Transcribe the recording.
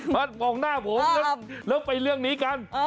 มันปองหน้าผมเริ่มไปเรื่องนี้กัน